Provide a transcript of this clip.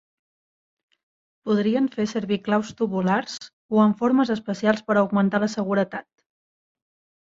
Podrien fer servir claus tubulars o amb formes especials per augmentar la seguretat.